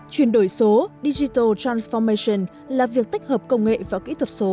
chuyển đổi số digital transformation là việc tích hợp công nghệ và kỹ thuật số